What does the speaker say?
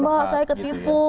bah saya ketipu